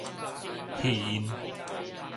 肺癭